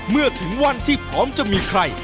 เมื่อถึงวันที่พร้อมจะมีใคร